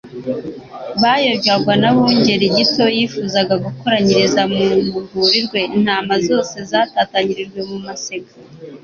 bayobywaga n'abungeri gito. Yifuza gukoranyiriza mu rwuri rwe intama zose zatatanirijwe mu masega;